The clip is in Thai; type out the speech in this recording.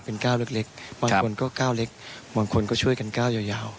เป็น๙เล็กบางคนก็ก้าวเล็กบางคนก็ช่วยกันก้าวยาว